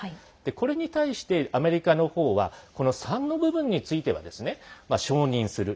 これに対してアメリカのほうはこの３の部分については承認する。